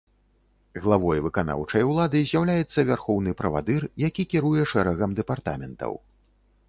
Главой выканаўчай улады з'яўляецца вярхоўны правадыр, які кіруе шэрагам дэпартаментаў.